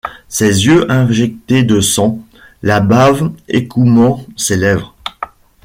Ses yeux injectés de sang, la bave écumant ses lèvres.